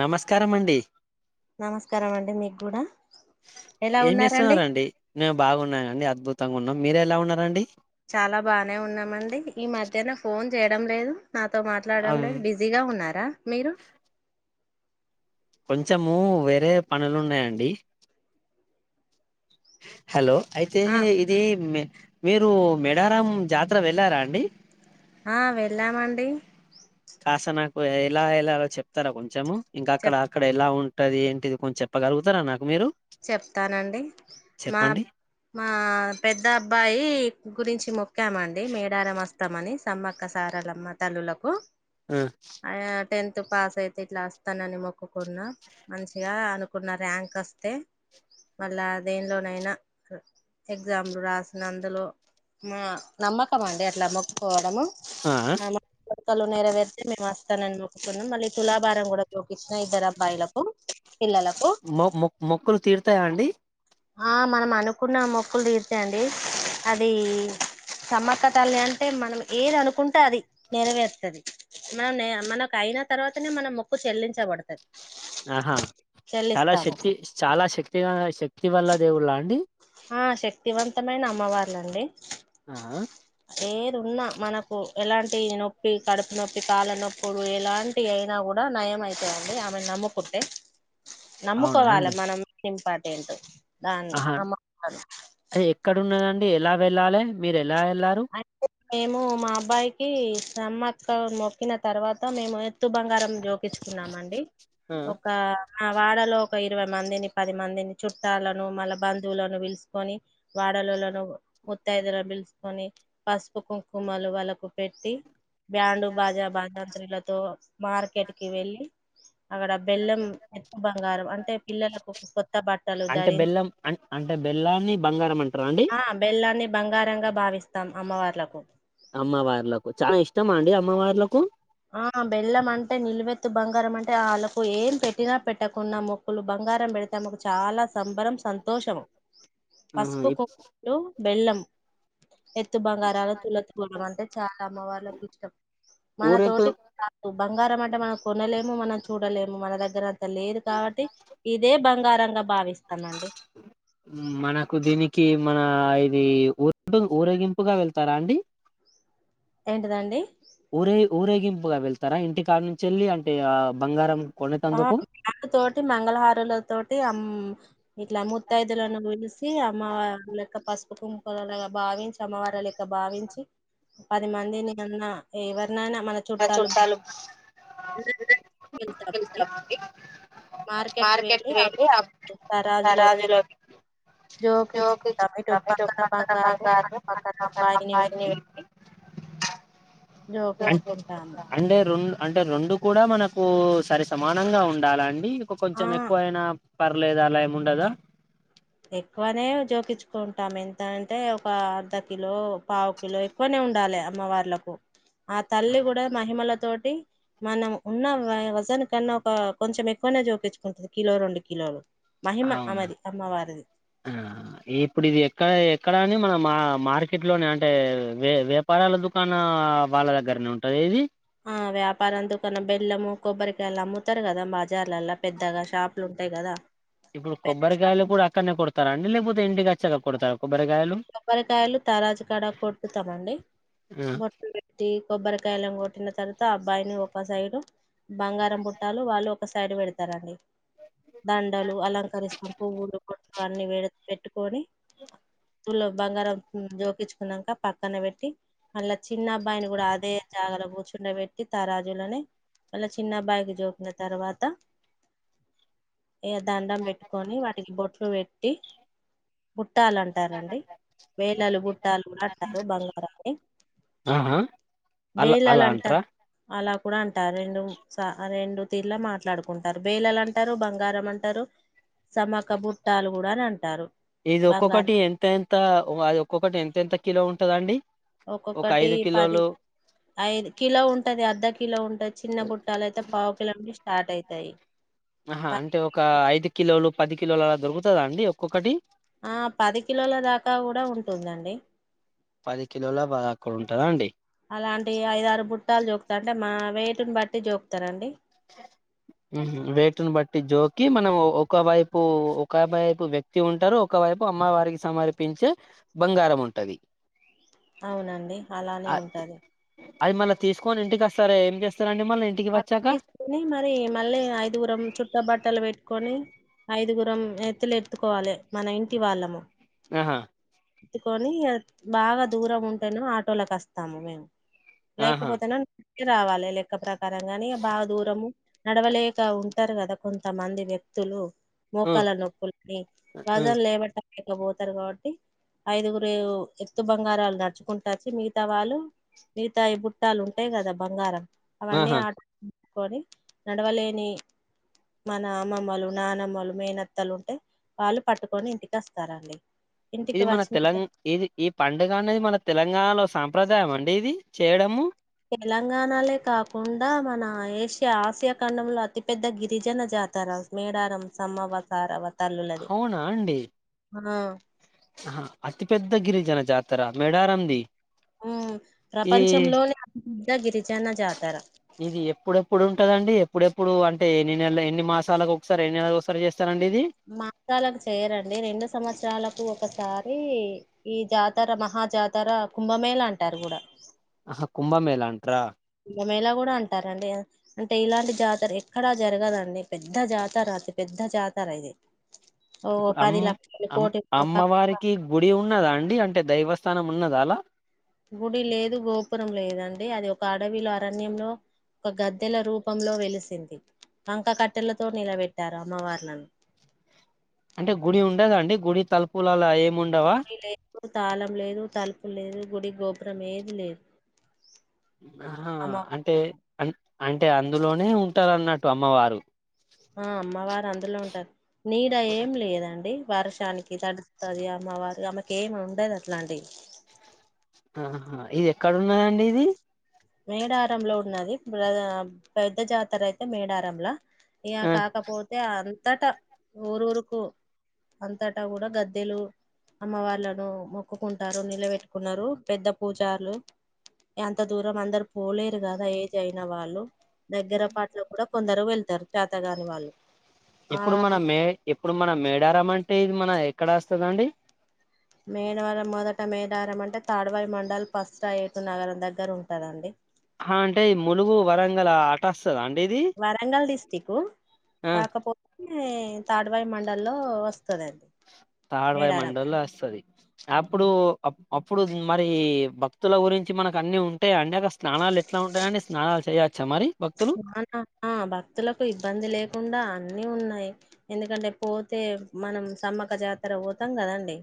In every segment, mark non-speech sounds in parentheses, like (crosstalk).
నమస్కారమండ్ టి నమస్కారమండి మీగ్గూడా ఏం చేస్తున్నరండి నేను బాగున్నానండి అద్భుత్ త్తంగున్నం మీరెలా ఉన్నరండి చాలా బానే ఉన్నామండి ఈ మధ్యన ఫోన్ జెయడం లేదు నాతో మాట్లాడడం అవ్ లేదు బిజీగా ఉన్నారా మీరు కొంచెము వేరే పనులున్నాయండి హలో అయితే ఆ ఇది మె మీరు మేడారం జాతర వెళ్ళారా అండి ఆ వెళ్ళామండి కాస్త నాకు ఎలా ఎలాలో చెప్తారా కొంచెము ఇంకక్కడ చెప్ అక్కడ ఎలా ఉన్ టది ఏంటిది కొంచం చెప్పగలుగుతారా నాక్ చెప్తానండి మా చెప్పండి మా పెద్ద అబ్బాయి గురించి మొక్కామండి మేడారమస్ తమని సమ్మక్క సారలమ్మ తల్లులకు ఆ ఆ టెన్త్ పాస్ అయితే ఇట్లా వస్తానని మొక్కుకున్నా మంచిగా అనుకున్న ర్యాంక్ వస్తే. మళ్ళా దేనిలోనైనా ఎగ్జామ్లు రాసిన అందులో మా నమ్మకం అండి అట్లా మొక్కుకోవడము. ఆ మాలు నేర వడితే మేముస్త. ఇస్తానని మొక్కున్నాం మళ్ళీ తులాభారం కూడా తుకించిన ఇద్దరు అబ్బాయిలకు. పిల్లలకు మొ మొకులు తీర్థ వస్తావండి ఆ మనం అనుకున్న మొక్కులు తీర్చాయంండి అది సమ్మక్క తల్లి అంటే మనం ఏది అనుకుంటే అది నెరవేరుతుది మనం మనకు అయిన తర్వాతనే మనం మొక్కు చెల్లించబడుతుది. ఆహా చాలా శక్తి చాలా శక్తిగా శక్తి. వల్ల దేవులా అండి ఆ శక్తివంతమైన అమ్మవార్లండి ఆ ఏదున్నా మనకు ఎలాంటి నొప్పి కడుపు నొప్పి కాళ్ల నొప్పులు ఎలాంటి అయినా కూడా నయం అయితాయిండి ఆమెను నమ్ముకుంటే. అవునా నమ్ముకోవాలి అండి మనం ప ంట దా ఆహా అ అది ఎక్కడ ఉదండి ఎలా వెళ్ళాలి మీరు. ఎలా వెళ్ళారు అంటే మేము మా అబ్బాయికి సమ్మ. క్క మొక్కిన తర్వాత మేము తు బంగారం జోకించుకున్నామండి ఆ, ఒక. ఆ వాడలో ఒక ఇరవై మందిని పది మందిని చుట్టాలను మళ్ళా బంధువులను పిలుసుకొని వాడలోలను ముత్తైదులను పిలుచ కొని పాసుపు కుంకుమలు వాళ్ళకు పెట్టి. బ్యాండుూ బాజా బాజాంత్రీలతో మార్కెట్కి వెళ్ళి అక్కడ బెల్లం ఎక్కువ బంగారం అంటే పిల్లలకు కొత్త బట్టలు అంటే ధరించి బెల్లం అం అంటే బెల్లాన్ని బంగారం అంటారా అండి ఆ బెల్లాన్ని బంగారంగా. విస్తాం అమ్మవార్లకు అమ్మవార్లకు చాలా ఇష్టం అండి అమ్మవార్లకు. ఆ బెల్లం అంటే నిల్వెత్తు బంగారం అంటే ఆళ్ళకు ఏం పెట్టినా పెట్టకునా మొక్కులు బంగారం పెడితే ఆమాకు చాలా సంబరం సంతోషము. ఆహా పసుపు ఇప్- కొమ్ములు బెల్లం ఎత్తు బంగారాలు తుల తూగడం అంటే చాలా అమ్మవళ్కి ఇష్టం మన ఊరేపు తోటి బంగారం అంటే మనం కొనలేము మనం చూడలేము మన దగ్గర లేదు కాబట్టి ఇదే బంగారంగా భావిస్తామండి ఉ మనకు దిని కి మన ఇది ఊరూ ఊరేగింపుగా వెళ్తారా అండి ఏంటదండి ఊరే ఊరేగింపుగా వెళ్తారా ఇంటికానుంచి వెళ్ళి అంటే ఆ బంగారం ఆ కొనేతందుకు డప్పు తోటి మంగళహారుల తోటి అమ్ ఇట్లా ముత్తాయిదులను పిలిసి అమ్మ లెక్క పసు కుంకుమలాగ భావించి అమ్మవారి లేక్క భావించి పది మంది నేనున్న ఏవ నానా మన చుట్టాలు వెతాకడ ఇ మార్కెట్కి వెళ్ళి అబ్బాయి స రాజులో జోకిచ్చుకుంటాం ఇటు పక్కన బంగారు అటు పక్కన అబ్బాయిని పెట్టీ అంటే రెండు అంటే రెండు కూడా మనకు సరి సమానంగా ఉండాల అండి ఆ కొంచెం ఎక్కువైనా పర్లేదా అలా ఏముండదా ఎక్కువనే జోకించుకుంటాం ఎంత అంటే ఒక అర్ధ కిలో పావు కిలో ఎక్కువనే ఉండాలి అమ్మవార్లకు ఆ తల్లి కూడా మహిమల తోటి మనం ఉన్న వజన్ కన్నా ఒక కొంచెం ఎక్కువనే జోకిచ్చుకుంటుంది కిలో రెండు కిలోలు మహిమ అవునా అమేది అమ్మవారు ఆ ఇప్పుడు ఇది ఎక్కడ ఎక్కడా కానీ మన మా మార్కెట్ లోనే అంటే వే వ్యాపారాల దుకాణ వాళ్ళ దగ్గరనే ఉంటుంది ఇది ఆ వ్యాపారంతోకన బెల్లము కొబ్బరికాయలు అమ్ముతారు కదా బజార్లల్ పెద్దగా షాపులు ఉంటాయి కదా ఇప్పుడు కొబ్బరికాయలు కూడా అక్కడనే కొడత త అండిలేపోతే ఇండికిచ్చా కొడతారు కొబ్బ కొబ్బరికాయలు తరాజకాడ కొటుతామండి ఆ, మొట్ట పెట్టి కొబ్బరికాయలు కొ పెట్టిన తరువాత ఆ అబ్బాయిని ఒక సైడ్ బంగారం పుట్టాలు వాళ్ళు ఒక సైడ్ పెడతారండి దండలు అలంకరిస్తాం పువ్వులు కొట్లు అన్నిీ వేడ పెట్టుకొని ఇ తులం బంగారం జోకించుకున్నాక పక్కన పెట్టి మళ్ళా చిన్న అబ్బాయిని కూడా అదే జాగాలో కూర్చుండ పెట్టి త రాజులనే మళ్ళ చిన్నబ్బాయికి జోకిన తర్వాత ఏ దండం పెట్టుకొని వాటికి బొట్లు పెట్టి గుుట్టాల ర అండి బేలలు బుట్టాలు గుడా అంటారు బంగారాన్ని ఆహా అలా అలా బేలలంటా అంటారా అలా కూడా అంటారు రెండు సా రెండు తీర్లా మాట్లాడుకుంటారు బేలలంటారు బంగారం అంటారు సమక్క బుట్టాలు కూడా అని అంటారు ఇది బంగారు ఒక్కొక్కటి ఎంత ఎంత అది ఒక్కొక్కటి ఎంత ఎంత కిలో ఉంటదండి ఒక ఒక్కొక్కటి ఐదు పది కిలోలు ఐదు కిలో ఉంటది అర్ధ కిలో ఉంటది చిన్న బుట్టాల అయితే పావు కిలోండి స్టార్ట్ అయితాయి ఆహా అంటే ఒక ఐదు కిలోలు పది కిలోలు అలా దొరుకుతాదా అండి ఒక్కొక్కటి ఆ పది కిలోల దాకా కూడా ఉంటుందండి పది కిలోల అక్కడ ఉంటదా అండి అలాంటి ఐదారు బుట్టాలు చూకుతా అంటే మా వేటుని బట్టి చూపుతారండి వేటుని బట్టి జోకి మనం ఒకవైపు ఒకవైపు వ్యక్తి ఉంటారు ఒకవైపు అమ్మవారికి సమర్పించే బంగారం ఉంటది అవునండి అలానే అ ఉంటాది అది మళ్ళా తీసుకొని ఇంటికి వస్తారా ఏం చేస్తారండి మ్మల్ల ఇంటికి అవి వచ్చాక తీసుకుని మరి మళ్ళీ ఐదుగురం చుట్ట బట్టలు పెట్టుకొని ఐదుగురం ఎత్తులు ఎత్తుకోవాలి మన ఇంటి వాళ్ళము ఆహా ఎత్తుకొని బాగా దూరం ఉంటేనే ఆటోలకు వస్తాము మేము ఆహా లేకపోతేనా రావాలి లేెక్క ప్రకా కరంగానే బాగా దూరము నడవలేక ఉంటారు కదా కొంతమంది వ్యక్తులు ఉ, మోకాల నొప్పులని ఉ, రాజ లేవట కపోతారు కాబట్టి ఐదుగురు ఎత్తు బంగారాలు నడుచుకుంటచ్చి మిగతా వాళ్ళు మిగతా ఈ బుట్టాలు ఉంటాయి కదా బంగారం అవన్నీ ఆహా ఆ కొని నడవలేని మన అమ్మమ్మలు నానమ్మలు మేనత్తలు ఉంటే వాళ్ళు పట్టుకొని ఇంటికస్తారండి ఇది మన తెలంగా ఇది ఈ పండుగ అనేది మన తెలంగాణలో సంంప్రదాయం అండి ఇది చేయడము తెలంగాణలే కాకుండా మన ఏషియా ఆసియా ఖండంలో అతిపెద్ద గిరిజన జాతర మేడారం సమవసారవత హవునా అండి ఆ అతి పెద్ద గిరిజన జాతర మేడారంది మ్ ఈ ప్రపంచంలోనే దగిరి ఇది ఎప్పుడెప్పుడు ఉంటదండి ఇప్పుడెప్పుడు అంటే ఎన్ని నెల ఎన్ని మాసాలకు ఒకసారి ఎన్ని నెల ఒకసారి చేస్ మగ్గాలకు చేయరండి రెండు సంవత్సరాలకు ఒకసారీ. ఈ జాతర మహా జాతర కుంభమేళ అంటారు గూడా అహా కుంభ మేళ అంట్ర కుంభ మేళా గూడా అంటారండి అంటే ఇలాంటి జాతర ఎక్కడా జరగదండి పెద్ద జాతర అతి పెద్ద జాతర ఇది. ఓ ఇప్పుడు పది అమ్మ్ లక్షలు అమ్ కోటి పబ్లిక్ అమ్మవారికి గుడి ఉన్నద అండి అంటే దైవస్ తనం ఉన్నదాలా గుడి లేదు గోపురం లేదండి అది ఒక అడవిలో అరణ్యంలో ఒక గద్దెల రూపంలో వెలిసింది, వంక కట్టెలతో నిలబెట్టారు అమ్మవార్లను. అంటే గుడి ఉండదా అండి గుడి తలుపులలా ఎం పోని లే తాళం లేదు తలుపు లేదు గుడి గోపురం ఏది లేదు అహ్ అంటే అమ్మవార్లకు అన్ అంటే అందులోనే ఉంటారు అన్నట్టు అమ్మవారు. ఆహ్ అమ్మవారు అందులో ఉంటారు నీడ ఏం లేదండి వర్షానికి తడ్సుతాది అమ్మవారి అమ్కి ఏమి ఉండదు అట్లాంటి. ఆహా ఎక్కడ ఉన్నాదండి ఇది. మేడారంలో ఉన్నాది ప్లదన పెద్ద జాతర అయితే మేడారంల ఇగ ఆ కాకపోతే అ అంతట ఊరు ఊరుకు అంతటా గూడా గద్దెలు అమ్మ వాళ్లను మొక్కుకుంటారు నిలబెట్టుకున్నారు పెద్ద పూజార్లు ఎంత దూ రం అందరు పోలేరు గదా ఏజ్ అయినా వాళ్ళు. దగ్గర పాట్ లో కుడ కొందరు వెళ్తారు చేత గాని వాళ్ళు ఆ ఇప్పుడు మనం మే ఇప్పుడు మన మేడారంమ అం టే ఇది మన ఎక్కడ వస్తదండి మేడవరం మొదట మేడరం అంటే తాడ్వాయి మండల్ పస్రా ఏటునగరం దగ్గర ఉంటందండి. అహా అంటే ఈ ములుగు వరంగలా ఆటస్ వరంగల్ డిస్ట్రికు ఆ కాకపోతే తాడ్వాయి మండల్లో వస్ తాడ్వాయి మండల్లో వస్తది అప్పుడు అప్పుడు మరీ భక్తుల గురించి మనకు అన్ని ఉంటాయ అండి అగ స్నానాలు ఎట్లా ఉంటాయ్ స్నానాలు చేయలి. అ న ఆ భక్తులకు ఇబ్బంది లేకుండా అన్నీ ఉన్నాయి ఎందుకంటే పోతే మనం సమ్మక జాతర పోతాం కదండి.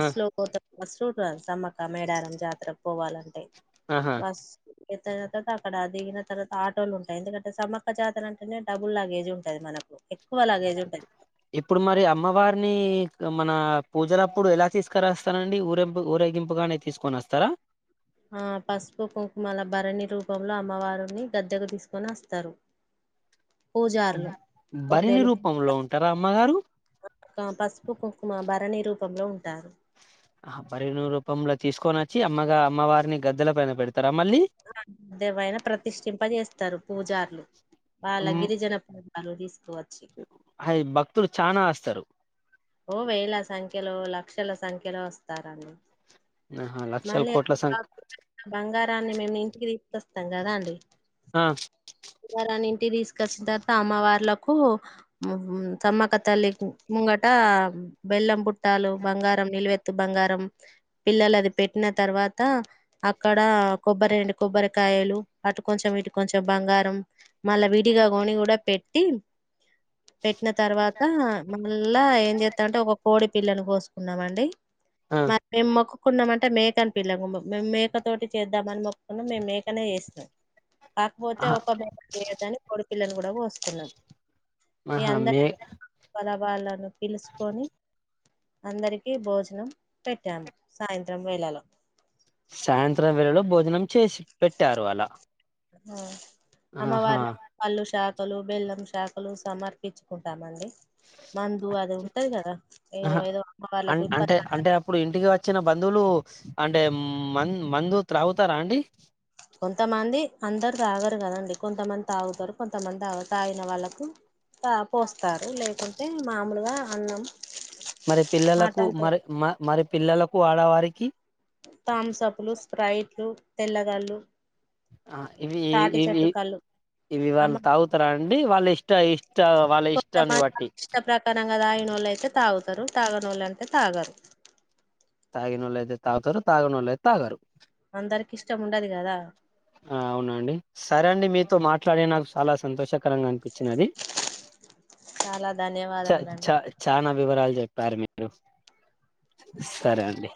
ఆ లో పోత బస్ చూడ్ర సమ్మక మేడారం జాతరక్ పోవాలంటే ఆహా బస్ ఇంత ఇంత తక్కడదిగిన తర్వాత ఆట్ టలు ఉంటయ్ ఎందుకంటే సమక్క జాతన అంటేనే డబుల్ లాగేజ్ ఉంటది మనకు ఎక్కువ లగేజ్ ఉంటది ఇప్పుడు మరి అమ్మవారిని. మన పూజలప్పుడు ఎలా తీసుకురాస్తనండి ఊరేంపు ఊరేగింపుగా అనేది తీసుకొని వస్తారా ఆ పసుపు కుంకుమల భరణి రూపంలో అమ్మవారిని గద్దెకు తీసుకొని వస్తారు పూజారులు భరిణి కొద్దేలు రూపంలో ఉంటారా అమ్మగారు పసుపు కుంకుమ భరణి రూ పంలో ఉంటారు ఆ భరణి రూపంలో తీసుకొని వచ్చి అమ్మగా అమ్మవారిని గద్దెల పైన పెడుతుంది ఆ దేవైనా ప్రతిష్ఠింపజేస్తారు పూజార్లు వాళ్ళ గిరిజన ప అరోది అ భక్తులు చానా వస్తారు ఓ వేల సంఖ్యలో లక్షల సంఖ్యలో వస్తారండి ఆహా లక్షల మళ్ళీా కోట్ల సంఖ్య బంగారాన్ని మేము ఇంటికి తీసు కస్తాం కదా అండి ఆ బంగారాన్ని ఇంటికి తీసు చ్చిన తర్వాత అమ్మవార్లకు సమ్మక్క తల్లి ముంగా అ బెల్లం పుట్టాలు బంగారం నిీలువెత్తు బంగారం పిల్లలు అది పెట్టిన తర్వాత అక్కడ కొబ్బరిెండు కొబ్బరికాయలు అటు కొంచెం ఇటు కొంచెం బంగారం మళ్ళా విడిగా కొని కూడా పెట్టి పెట్టిన తర్వాత మ అల్లా ఏం చేస్తా అంటే ఒక కోడి పిల్లను కోసుకున్నామండి ఆ మ మేం మొక్కు కున్నాంమంటే మేక అని పిల మేక తోటి చేద్దామని ఉన్నా మే మేకనే చేస్తాం కాకపోతే ఆహా ఒక మేక లేదని కొ పిల్లని కూడా కోసుకున్నాం ఆహా మే వాళ్ల పిలుచుకొని అందరికీ భోజనం పెట్టాము సాయంత్రం వేళలో సాయంత్రం వేళల్లో భోజనం చేసి పెట్టారు అలా (inaudible) ఆ ఆహా అమ్మవార్లా కల్లుషా క్కలు బెల్లం శాఖలు సమర్పించుకుంటామండి మందు అది ఉంటది కదా ఏదో ఆహా ఏదో అమ్మ వాళ్లకు ఇప్పతి చిన్న బంధువులు అంటే మందు మందు త్రాగుతారా అండి కొంతమంది అందరు తాగరు కదండి కొంతమంది తాగుతారు కొంతమంది తాగిన వాళ్ళలకు పోస్తారు లేకుంటే మామూలుగా అన్నం మరి పిల్లలకు మటన్తో మరి మరి పిల్లలకు కో ఆడవారికి థమ్సప్ లు స్ప్రైట్లు తెల్లగాళ్ళు ఆ ఇవి ఇవి కళ్ళు ఇవి వాళ్ళు అమ్మ తాగుతారా అండి వాళ్ళ ఇష్ట ఇష్ట వాళ్ళ ఇష్టాన్ని కొంతమంది బట్టి ఇష్ట ప్రకారంగా తాగినోళ్ళు అయితే తాగుతారు తాగని వాళ్ళు అయితే తాగరు తాగిినోలేయితే తాగుతారు తానోళయితే తాగరు అందరికి ఇష్టం ఉండది కదా ఆ అవునండి సరే అండి మీతో మాట్లాడే నాకు చాలా సంతోషకరంగా అనిపించంది వచ్చినది చాలా చ ధన్యవాదములండి చ చానా వివరాలు చెప్పారు మీరు సరే అండి